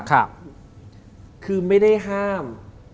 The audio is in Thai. คือไม่ได้ห้าม